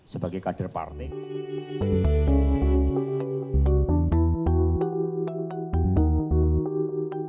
sebagai kadir partai